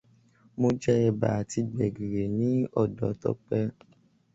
Mo jẹ ẹ̀bà àti gbègìrì ni ọ̀dọ̀ Tọpẹ.